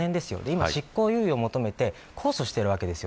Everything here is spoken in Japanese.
今、執行猶予を求めて控訴しているわけです。